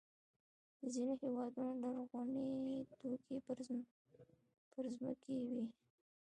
د ځینو هېوادونو لرغوني توکي پر ځمکې وي.